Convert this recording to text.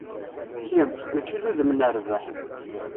Kem, mačči d udem n rrbeḥ.